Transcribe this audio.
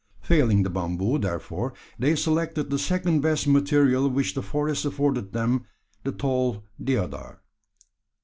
Failing the bamboo, therefore, they selected the second best material which the forest afforded them the tall "deodar."